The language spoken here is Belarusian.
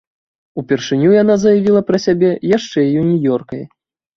Упершыню яна заявіла пра сябе яшчэ юніёркай.